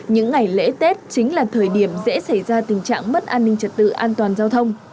những ngày lễ tết chính là thời điểm dễ xảy ra tình trạng mất an ninh trật tự an toàn giao thông